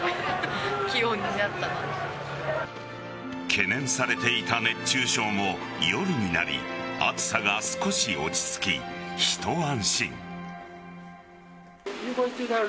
懸念されていた熱中症も夜になり暑さが少し落ち着き、一安心。